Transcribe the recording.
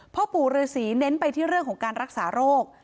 พ่อปู่ฤษีเน้นไปที่เรื่องของการรักษาโรค